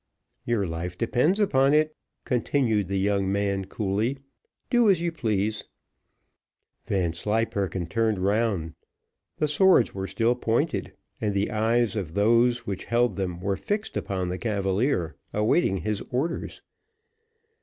"Your life depends upon it," continued the young man coolly; "do as you please." Vanslyperken turned round; the swords were still pointed, and the eyes of those which held them were fixed upon the cavalier awaiting his orders.